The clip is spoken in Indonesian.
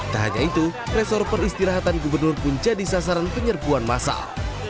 tak hanya itu resor peristirahatan gubernur pun jadi sasaran penyerbuan masal